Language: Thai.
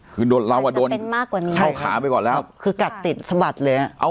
คือเราอ่ะโดนเข้าขาไปก่อนแล้วคือกัดติดสะบัดเลยอ่ะ